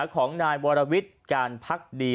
ของนายวรวิทย์การพักดี